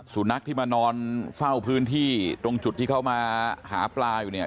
สุนัขที่มานอนเฝ้าพื้นที่ตรงจุดที่เขามาหาปลาอยู่เนี่ย